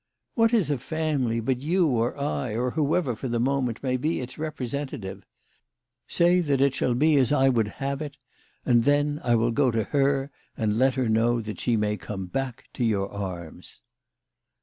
" What is a family but you, or I, or whoever for the moment may be its representative ? Say that it shall be as I would have it, and then I will go to her and let her know that she may come back to your arms."